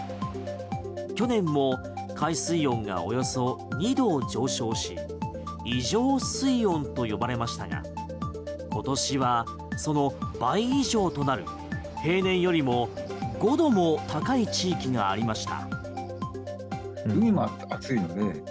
去年も海水温がおよそ２度上昇し異常水温と呼ばれましたが今年はその倍以上となる平年よりも５度も高い地域がありました。